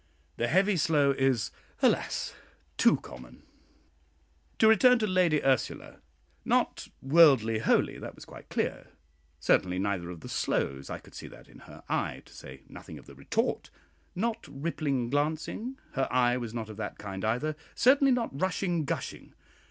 The "heavy slow" is, alas! too common. To return to Lady Ursula: not "worldly holy," that was quite clear; certainly neither of the "slows," I could see that in her eye, to say nothing of the retort; not "rippling glancing," her eye was not of that kind either; certainly not "rushing gushing."